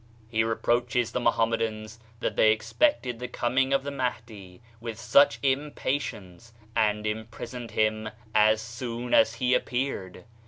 He reproaches the Mohammedans that they expected the coming of the Mahdi with such impatience, and imprisoned him as soon as he appeared